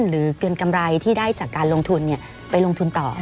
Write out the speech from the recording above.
หรือเกินกำไรที่ได้จากการลงทุนไปลงทุนต่อ